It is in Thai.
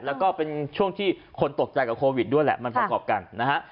แล้วก็เป็นช่วงที่คนตกใจกับโควิดด้วยแหละมันประกอบกันนะฮะ